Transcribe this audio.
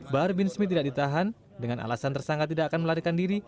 bahar bin smith tidak ditahan dengan alasan tersangka tidak akan melarikan diri